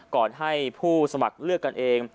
ก่อนให้ผู้สมัครเลือกกันเอง